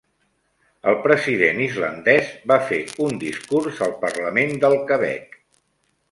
El president islandès va fer un discurs al parlament del Quebec